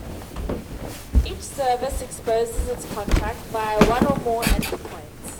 Each service exposes its contract via one or more endpoints.